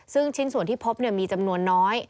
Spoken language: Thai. ซึ่งชิ้นส่วนที่พบมีจำนวนน้อย